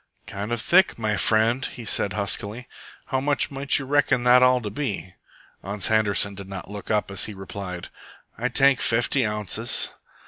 "Kind of thick, my friend," he said huskily. "How much might you reckon that all to be?" Ans Handerson did not look up as he replied, "Ay tank fafty ounces."